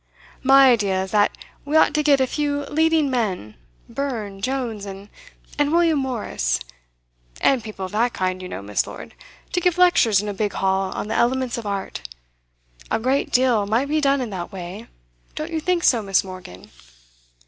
My idea is that we ought to get a few leading men Burne Jones and and William Morris and people of that kind, you know, Miss. Lord, to give lectures in a big hall on the elements of Art. A great deal might be done in that way, don't you think so, Miss. Morgan?